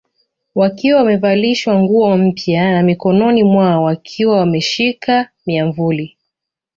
Wakiwa wamevalishwa nguo mpya na mikononi mwao wakiwa wameshika miamvuli